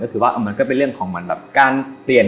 คือว่ามันก็เป็นเรื่องของมัน